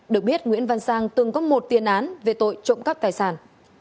được biết nguyễn văn sang từng có một tiền án về tội trộm cắp tài sản